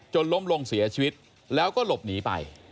ล้มลงเสียชีวิตแล้วก็หลบหนีไป